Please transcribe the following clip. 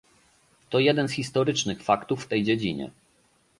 To jeden z historycznych faktów w tej dziedzinie